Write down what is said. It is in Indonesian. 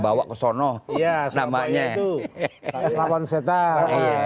dia ikut dalam atraksi tong setan